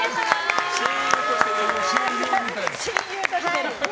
親友として登場。